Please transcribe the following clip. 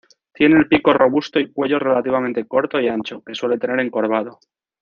Tiene el pico robusto y cuello relativamente corto y ancho, que suele tener encorvado.